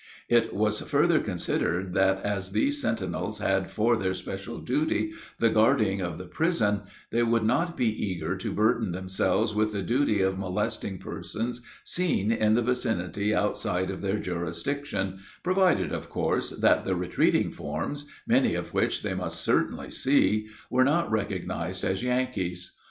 It was further considered that as these sentinels had for their special duty the guarding of the prison, they would not be eager to burden themselves with the duty of molesting persons seen in the vicinity outside of their jurisdiction, provided, of course, that the retreating forms many of which they must certainly see were not recognized as Yankees.